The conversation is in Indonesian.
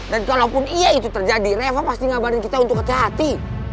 dan kalaupun iya itu terjadi reva pasti ngabarin kita untuk hati hati